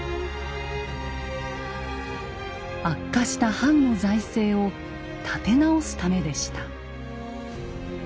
悪化した藩の財政を立て直すためでした。